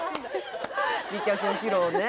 「美脚を披露」ね